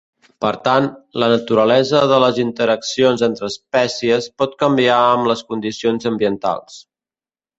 Per tant, la naturalesa de les interaccions entre espècies pot canviar amb les condicions ambientals.